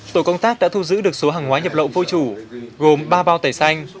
tổ công tác đã thu giữ được số hàng hóa nhập lậu vô chủ gồm ba bao tải xanh